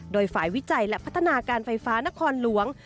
โดยฝ่ายวิจัยและพัฒนาการไฟฟ้านครหลวง